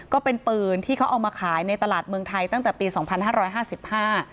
ก็เป็นปืนที่เขาเอามาขายในตลาดเมืองไทยตั้งแต่ปีสองพันห้าร้อยห้าสิบห้า